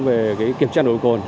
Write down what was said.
về cái kiểm tra nổi cồn